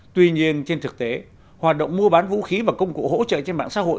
tuy nhiên trên thực tế hoạt động mua bán vũ khí và công cụ hỗ trợ trên mạng xã hội